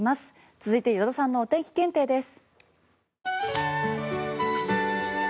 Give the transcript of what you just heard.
続いて依田さんのお天気検定です。